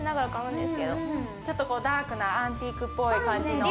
ちょっとダークなアンティークっぽい感じの。